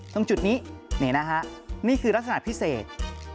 ตรงจุดนี้นี่นะฮะนี่คือลักษณะพิเศษ